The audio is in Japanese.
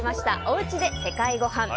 おうちで世界ごはん。